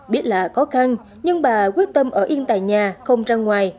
biết là khó khăn nhưng bà quyết tâm ở yên tại nhà không ra ngoài